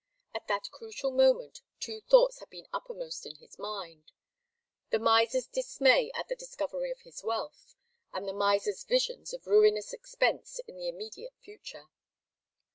At that crucial moment two thoughts had been uppermost in his mind. The miser's dismay at the discovery of his wealth, and the miser's visions of ruinous expense in the immediate future.